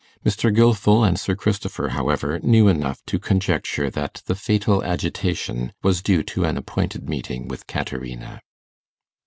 Mr. Gilfil and Sir Christopher, however, knew enough to conjecture that the fatal agitation was due to an appointed meeting with Caterina.